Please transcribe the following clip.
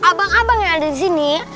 abang abang yang ada di sini